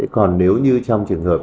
còn nếu như trong trường hợp